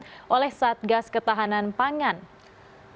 di mana dia menjelaskan bahwa beras ini tidak menggunakan subsidi